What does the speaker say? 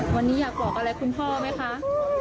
วันนี้อยากบอกอะไรคุณพ่อไหมคะ